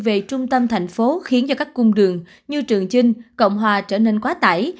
về trung tâm thành phố khiến cho các cung đường như trường chinh cộng hòa trở nên quá tải